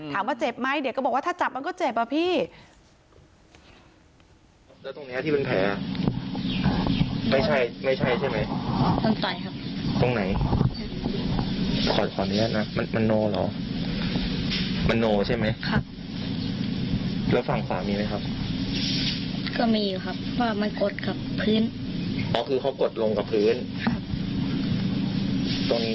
ถามว่าเจ็บไหมเดี๋ยวก็บอกว่าถ้าจับมันก็เจ็บอะพี่